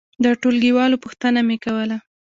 د ټولګي والو پوښتنه مې کوله.